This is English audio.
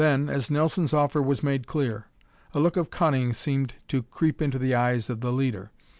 Then, as Nelson's offer was made clear, a look of cunning seemed to creep into the eyes of the leader.